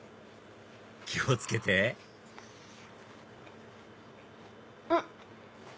気を付けてんっ！